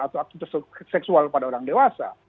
atau aktivitas seksual pada orang dewasa